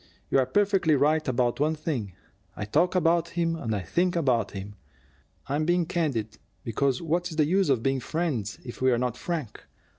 "You're perfectly right about one thing: I talk about him and I think about him. I'm being candid, because what's the use of being friends if we're not frank?